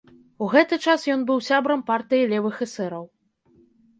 У гэты час ён быў сябрам партыі левых эсэраў.